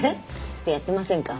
ちょっとやってませんか？